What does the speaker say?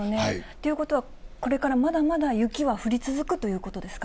ということは、これからまだまだ雪は降り続くということですか。